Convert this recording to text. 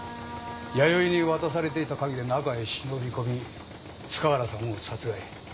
弥生に渡されていた鍵で中へ忍び込み塚原さんを殺害。